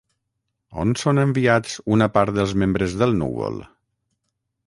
On són enviats una part dels membres del núvol?